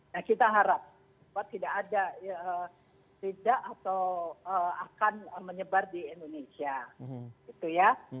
nah kita harap tidak ada tidak atau akan menyebar di indonesia gitu ya